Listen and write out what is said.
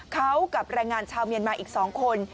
เขากับแรงงานชาวเมียนมาอีก๒คน